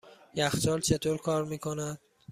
یخچال چطور کار میکند؟